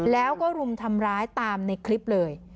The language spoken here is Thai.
แล้วก็รุมทำร้ายตามในคลิปเลย